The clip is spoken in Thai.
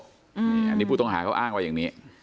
อันนี้ผู้ต้องหาเขาอ้างไว้อย่างนี้